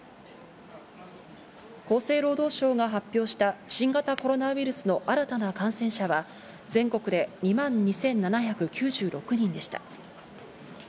厚生労働省が発表した新型コロナウイルスの新たな感染者は、全国で２万２７９６人でした。